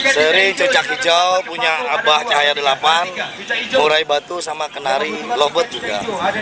sering cucak hijau punya abah cahaya delapan murai batu sama kenari lobet juga